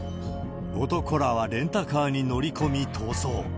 男らはレンタカーに乗り込み逃走。